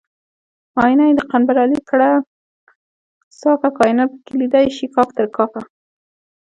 آیینه یې د قنبر علي کړه صافه کاینات پکې لیدی شي کاف تر کافه